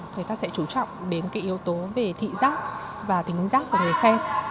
người ta sẽ chú trọng đến cái yếu tố về thị giác và tính giác của người xem